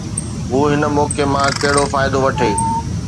هو هن موقعي مان ڪهڙو فائدو وٺي؟